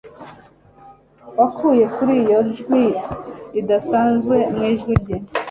Wakuye kuri iryo jwi ridasanzwe mu ijwi rye